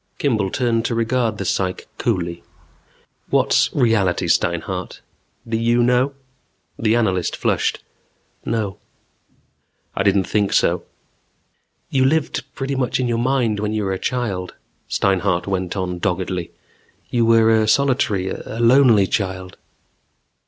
Kimball turned to regard the psych coolly. "What's reality, Steinhart? Do you know?" The analyst flushed. "No." "I didn't think so." "You lived pretty much in your mind when you were a child," Steinhart went on doggedly. "You were a solitary, a lonely child."